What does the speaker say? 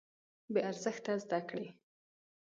بې ارزښته زده کړې.